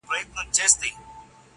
ما دي د حُسن انتها ته سجده وکړه~